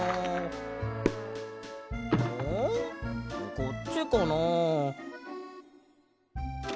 こっちかな？